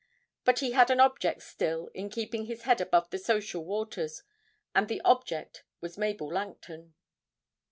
But he had an object still in keeping his head above the social waters, and the object was Mabel Langton.